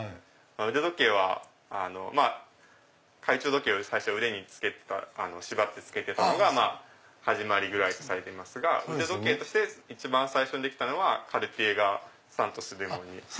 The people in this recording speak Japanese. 腕時計は懐中時計を腕に縛って着けたのが始まりぐらいとされていますが腕時計として一番最初にできたのはカルティエがサントス・デュモンに。